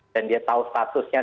dan dia tahu statusnya